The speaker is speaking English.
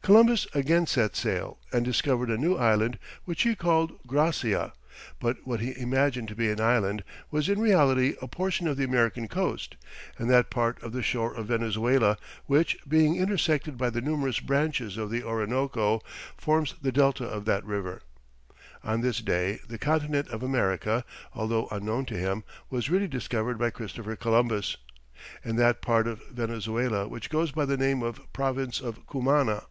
Columbus again set sail, and discovered a new island which he called Gracia; but what he imagined to be an island, was, in reality, a portion of the American coast, and that part of the shore of Venezuela, which, being intersected by the numerous branches of the Orinoco, forms the Delta of that river. On this day the Continent of America, although unknown to him, was really discovered by Christopher Columbus, in that part of Venezuela which goes by the name of the Province of Cumana.